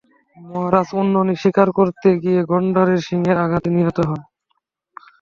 মহারাজ উন্ননি শিকার করতে গিয়ে, গণ্ডারের শিংয়ের আঘাতে নিহত হন।